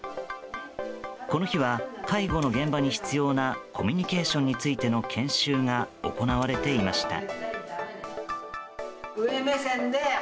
この日は、介護の現場に必要なコミュニケーションについての研修が行われていました。